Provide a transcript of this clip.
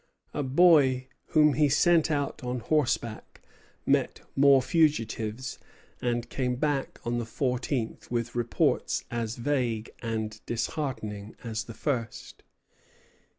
A boy whom he sent out on horseback met more fugitives, and came back on the fourteenth with reports as vague and disheartening as the first.